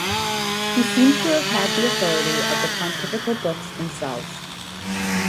He seems to have had the authority of the pontifical books themselves.